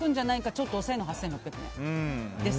ちょっと抑えの８６００円です。